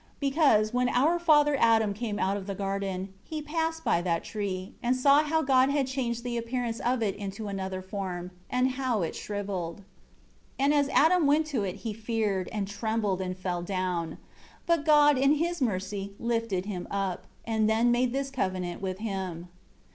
8 Because, when our father Adam came out of the garden, he passed by that tree, and saw how God had changed the appearance of it into another form, and how it shriveled. 9 And as Adam went to it he feared, trembled and fell down; but God in His mercy lifted him up, and then made this covenant with him.